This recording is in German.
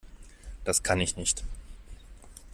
Das kann ich nicht.